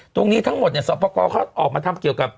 ตรงนี้ทั้งหมดเนี่ยสอบประกอบเขาออกมาทำเกี่ยวกับ